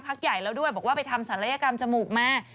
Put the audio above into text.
ใหญ่แล้วด้วยบอกว่าไปทำศัลยกรรมจมูกมา